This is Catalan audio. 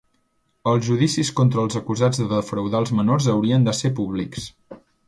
Els judicis contra els acusats de defraudar als menors haurien de ser públics.